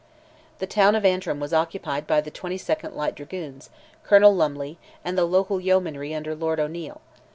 The town of Antrim was occupied by the 22nd light dragoons, Colonel Lumley, and the local yeomanry under Lord O'Neil.